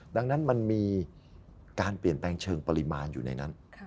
ดังนั้นมันมีการเปลี่ยนแปลงเชิงปริมาณอยู่ในนั้น